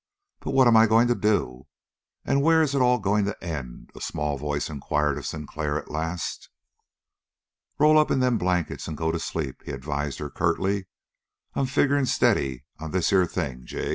"But what am I going to do? And where is it all going to end?" a small voice inquired of Sinclair at last. "Roll up in them blankets and go to sleep," he advised her curtly. "I'm figuring steady on this here thing, Jig."